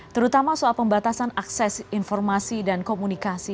terutama soal pembatasan akses informasi dan komunikasi